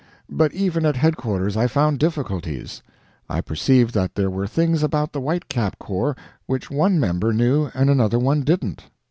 But even at headquarters I found difficulties; I perceived that there were things about the White Cap Corps which one member knew and another one didn't.